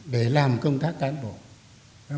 để làm công tác cán bộ